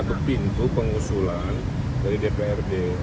ada nanti pintu pengusulan dari dprd